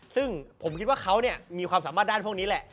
ซึ่งผมคิดว่าเขามีความสามารถด้านพวกนี้แหละ